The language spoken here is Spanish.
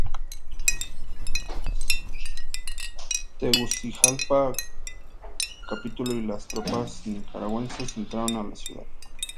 Tegucigalpa capituló y las tropas nicaragüenses entraron a la ciudad.